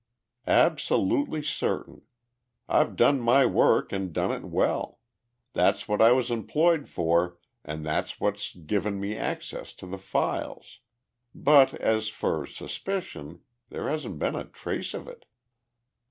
"Absolutely certain. I've done my work and done it well. That's what I was employed for and that's what's given me access to the files. But, as for suspicion there hasn't been a trace of it!"